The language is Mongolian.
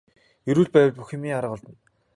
Эрүүл байвал бүх юмны арга олдоно.